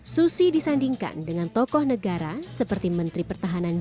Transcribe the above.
susi disandingkan dengan tokoh negara seperti menteri pertahanan